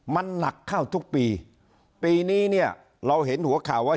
มันหนักเข้าทุกปีปีนี้เนี่ยเราเห็นหัวข่าวว่า